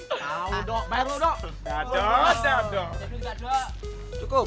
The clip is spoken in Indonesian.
mau dok bayar dulu dok